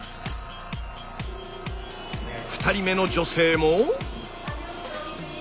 ２人目の女性も。